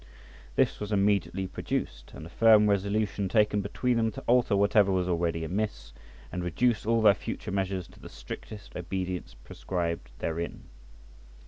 This was immediately produced, and a firm resolution taken between them to alter whatever was already amiss, and reduce all their future measures to the strictest obedience prescribed therein.